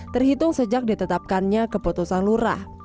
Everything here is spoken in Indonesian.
terhitung sejak ditetapkannya keputusan lurah